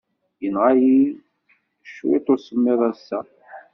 Yenɣa-iyi cwiṭ usemmiḍ ass-a.